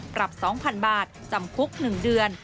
๒๐๐๐บาทจำคุก๑เดือน